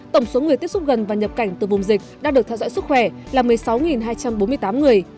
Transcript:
tổng số người tiếp xúc gần và nhập cảnh từ vùng dịch đang được theo dõi sức khỏe là một mươi sáu hai trăm bốn mươi tám người